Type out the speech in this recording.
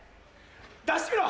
出してみろ！